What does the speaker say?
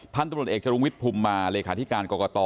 พันธุ์ตำรวจเอกจรุงวิทย์ภูมิมาเลขาธิการกรกต